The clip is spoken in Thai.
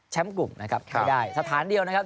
กลุ่มนะครับไม่ได้สถานเดียวนะครับ